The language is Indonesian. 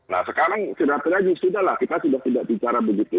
nah sekarang sudah terjadi sudah lah kita sudah tidak bicara begitu